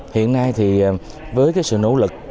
hiện nay với sự nỗ lực